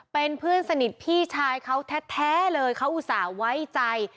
เป็นเพื่อนสนิทพี่ชายเขาแท้เลยเขาอุตส่าห์ไว้ใจ